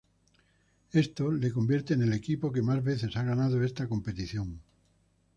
Esto le convierte en el equipo que más veces ha ganado esta competición.